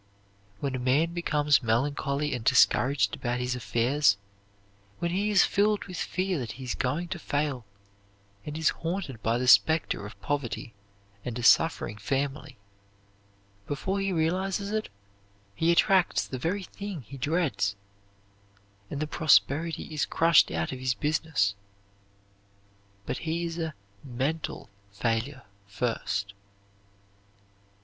When a man becomes melancholy and discouraged about his affairs, when he is filled with fear that he is going to fail, and is haunted by the specter of poverty and a suffering family, before he realizes it, he attracts the very thing he dreads, and the prosperity is crushed out of his business. But he is a mental failure first.